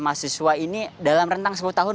mahasiswa ini dalam rentang sepuluh tahun